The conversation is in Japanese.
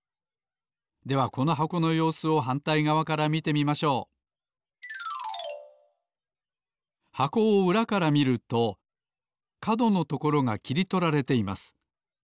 ではこの箱のようすをはんたいがわから見てみましょう箱をうらから見るとかどのところがきりとられています。